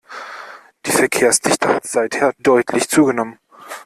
Die Verkehrsdichte hat seither deutlich zugenommen.